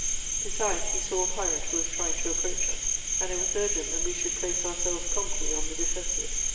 Besides, he saw a pirate who was trying to approach us, and it was urgent that we should place ourselves promptly on the defensive.